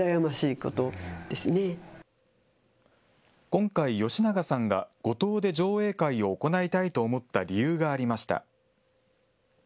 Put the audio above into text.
今回、吉永さんが五島で上映会を行いたいと思った理由がありました。